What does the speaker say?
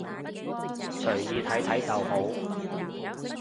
隨意睇睇就好